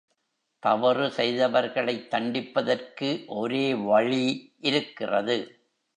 தவறு செய்தவர்களைத் தண்டிப்பதற்கு ஒரே வழி இருக்கிறது.